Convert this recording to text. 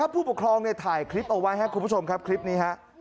ผู้ปกครองเนี่ยถ่ายคลิปออกไว้ให้คุณผู้ชมครับคลิปนี้